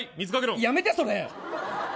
やめて、それ。